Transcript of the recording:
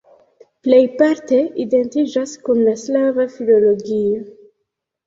Plejparte identiĝas kun la slava filologio.